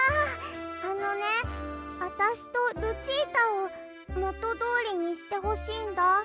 あのねあたしとルチータをもとどおりにしてほしいんだ。